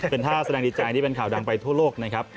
เป็นท่าแสดงดีใจที่เป็นข่าวดังไปทั่วโลกนะครับ